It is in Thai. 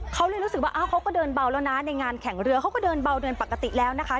เขาเลยรู้สึกว่าเขาก็เดินเบาแล้วนะในงานแข่งเรือเขาก็เดินเบาเดินปกติแล้วนะคะ